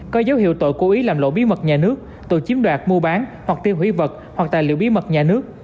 có dấu hiệu tội cố ý làm lộ bí mật nhà nước tội chiếm đoạt mua bán hoặc tiêu hủy vật hoặc tài liệu bí mật nhà nước